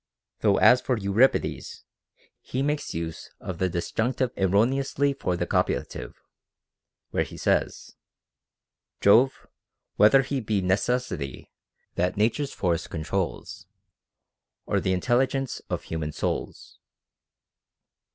Though as for Euripides, he makes use of the disjunctive erroneously for the copu lative, where he says, Jove, whether he be Necessity, that Nature's force controls, Or the intelligence of human souls.